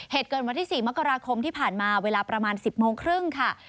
เหตุเกิดวันที่๔มกราคมที่ผ่านมาเวลาประมาณ๑๐โมงครึ่งค่ะ